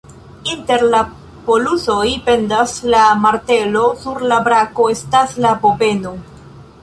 Inter la polusoj pendas la martelo, sur la brako estas la bobeno.